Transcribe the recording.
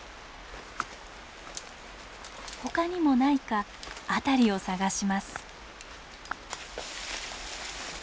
他にもないか辺りを探します。